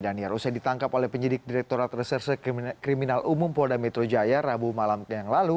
daniarusah ditangkap oleh penyidik direkturat reserse kriminal umum polda metro jaya rabu malam kemarin